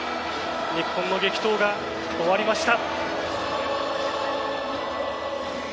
日本の激闘が終わりました。